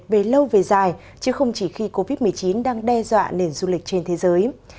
về lâu về dài chứ không chỉ khi covid một mươi chín đang đe dọa nền du lịch trên thế giới